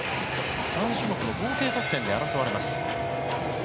３種目の合計得点で争われます。